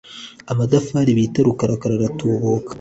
Amadafari bita rukarakara aratubuka